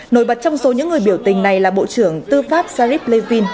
nổi bật trong số những người biểu tình này là bộ trưởng tư pháp sharif levine